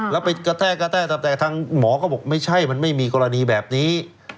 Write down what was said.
แล้วไปกระแทกกระแทกแต่ทางหมอก็บอกไม่ใช่มันไม่มีกรณีแบบนี้